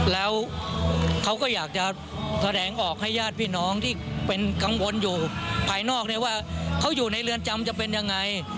แล้วเขาก็อยากจะแถลงออกให้ญาติพี่น้องที่เป็นกังวลอยู่ภายนอกได้ว่าเขาอยู่ในเรือนจำจะเป็นยังไง